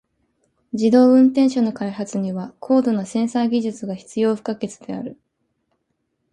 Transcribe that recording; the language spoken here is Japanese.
自動運転車の開発には高度なセンサー技術が必要不可欠である。